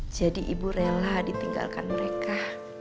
jadi ibu rela ditinggalkan mereka